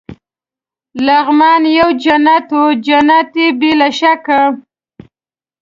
لغمان یو جنت وو، جنت يې بې له شکه.